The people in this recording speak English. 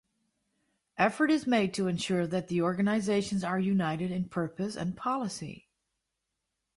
Effort is made to ensure that the organizations are united in purpose and policy.